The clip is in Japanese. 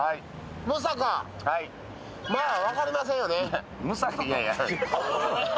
分かりませんよね。